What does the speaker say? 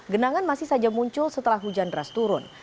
genangan masih saja muncul setelah hujan deras turun